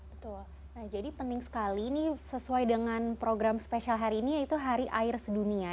betul nah jadi penting sekali ini sesuai dengan program spesial hari ini yaitu hari air sedunia